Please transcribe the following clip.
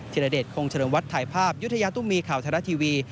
เทียราเดชโครงเฉลิมวัดถ่ายภาพยุทยาตุมีข่าวธรรมดาทีวี